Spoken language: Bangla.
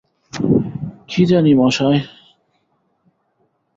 কী জানি মশায়!